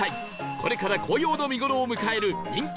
これから紅葉の見頃を迎える人気